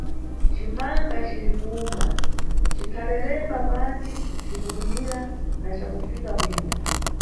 Cimanga cirikuwuma, cikhalelemba pantsi, cipulumira, na cakufika bwino.